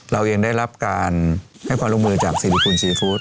เรายังได้รับการให้ความร่วมมือจากสิริคุณซีฟู้ด